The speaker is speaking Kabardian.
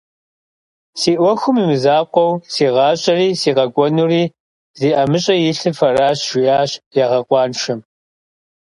Си ӏуэхум имызакъуэу, си гъащӏэри, си къэкӏуэнури зи ӏэмыщӏэ илъыр фэращ, - жиӏащ ягъэкъуаншэм.